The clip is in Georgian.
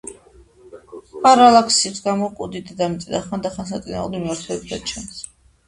პარალაქსის გამო, კუდი დედამიწიდან ხანდახან საწინააღმდეგო მიმართულებითაც ჩანს.